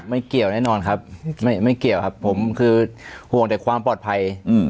ไม่เกี่ยวแน่นอนครับไม่เกี่ยวครับผมคือห่วงแต่ความปลอดภัย